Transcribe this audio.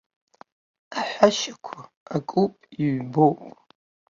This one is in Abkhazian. Аҳәашьақәа акуп, иҩбоуп!